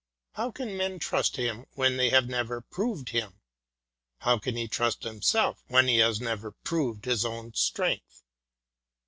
How can men trust him when they have never proved hin^how can he trust himself when he has never proved his own strength?